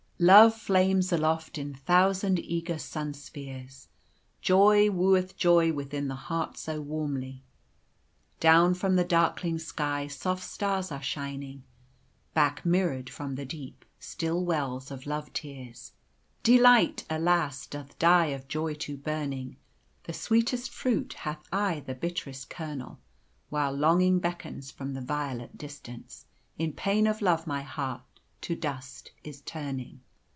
"Love flames aloft in thousand eager sunspheres, Joy wooeth joy within the heart so warmly: Down from the darkling sky soft stars are shining. Back mirrored from the deep, still wells of love tears. "Delight, alas! doth die of joy too burning The sweetest fruit hath aye the bitt'rest kernel While longing beckons from the violet distance, In pain of love my heart to dust is turning.